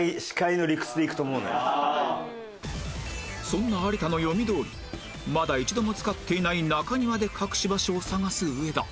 そんな有田の読みどおりまだ一度も使っていない中庭で隠し場所を探す上田